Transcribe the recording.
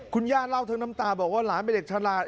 คุณย่าเล่าทั้งน้ำตาบอกว่าหลานเป็นเด็กฉลาด